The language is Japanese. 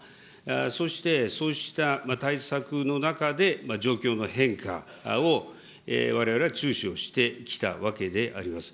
そして、そうした対策の中で状況の変化をわれわれは注視をしてきたわけであります。